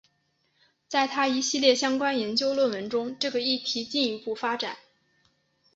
在他一系列相关研究论文中这个议题进一步发展。